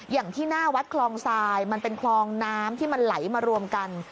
อย่างที่หน้าวัดคลองทรายมันเป็นคลองน้ำที่มันไหลมารวมกัน